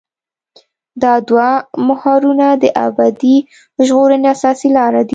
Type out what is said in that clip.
دا دوه محورونه د ابدي ژغورنې اساسي لاره دي.